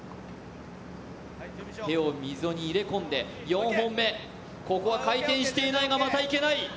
手を溝に入れ込んで、４本目ここは回転していないが、またいけない。